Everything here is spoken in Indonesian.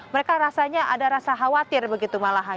mereka rasanya ada rasa khawatir begitu malahan